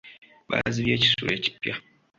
Baazibye ekisulo ekipya.